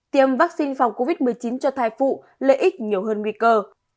tiêm vaccine phòng covid một mươi chín cho thai phụ lợi ích nhiều hơn nguy cơ